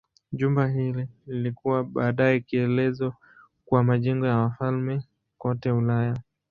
Jumba hili lilikuwa baadaye kielelezo kwa majengo ya wafalme kote Ulaya.